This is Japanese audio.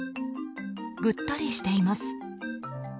ぐったりしています。